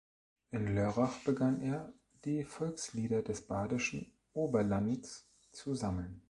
In Lörrach begann er, die Volkslieder des badischen Oberlands zu sammeln.